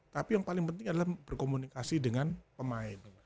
tapi yang paling penting adalah berkomunikasi dengan pemain